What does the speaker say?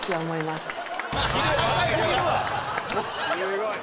すごい。